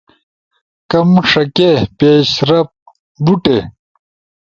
کم ݜکے، پیشرفت، بوٹے